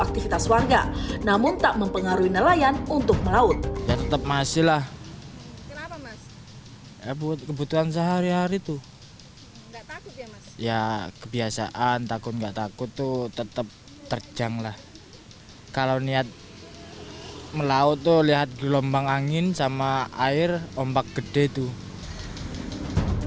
air laut akan mengganggu aktivitas warga namun tak mempengaruhi nelayan untuk melaut